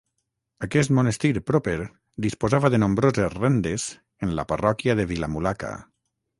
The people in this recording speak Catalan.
Aquest monestir proper disposava de nombroses rendes en la parròquia de Vilamulaca.